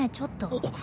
あっ。